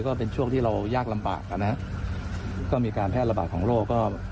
ก็เป็นช่วงที่เรายากลำบากอ่ะนะฮะก็มีการแพร่ระบาดของโรคก็